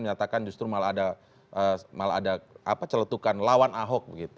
menyatakan justru malah ada celetukan lawan ahok